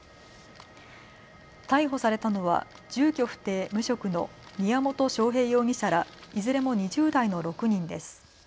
逮捕されたのは住居不定・無職の宮本晶平容疑者らいずれも２０代の６人です。